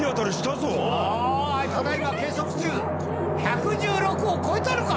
さぁただ今計測中１１６キロを超えたのか？